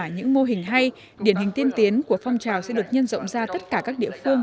những mô hình hay điển hình tiên tiến của phong trào sẽ được nhân rộng ra tất cả các địa phương